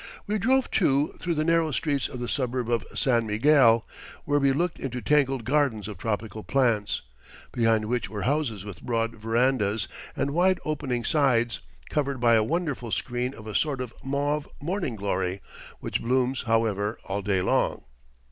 We drove, too, through the narrow streets of the suburb of San Miguel, where we looked into tangled gardens of tropical plants, behind which were houses with broad verandas and wide opening sides, covered by a wonderful screen of a sort of mauve morning glory, which blooms, however, all day long.